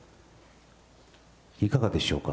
いかがでしょうか。